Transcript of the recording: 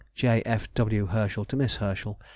J. F. W. HERSCHEL TO MISS HERSCHEL.